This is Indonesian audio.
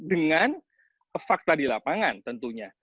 dengan fakta di lapangan tentunya